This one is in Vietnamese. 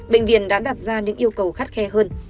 bệnh viện đã đặt ra những yêu cầu khắt khe hơn